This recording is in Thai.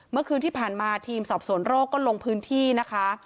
เมื่อคืนที่ผ่านมาทีมสอบสวนโรคก็ลงพื้นที่นะคะ